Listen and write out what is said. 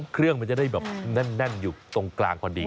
เครื่องมันจะได้แบบแน่นอยู่ตรงกลางพอดี